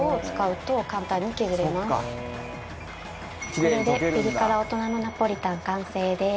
これでピリ辛大人のナポリタン完成です。